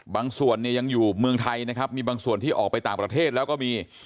บางส่วนเนี่ยยังอยู่เมืองไทยนะครับมีบางส่วนที่ออกไปต่างประเทศแล้วก็มี